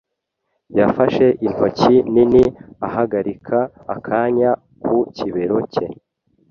yafashe intoki nini, ahagarika akanya ku kibero cye.